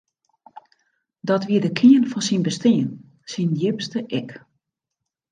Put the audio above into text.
Dat wie de kearn fan syn bestean, syn djipste ik.